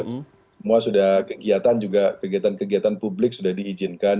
semua sudah kegiatan juga kegiatan kegiatan publik sudah diizinkan